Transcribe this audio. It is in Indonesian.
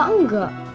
gak sejam juga kali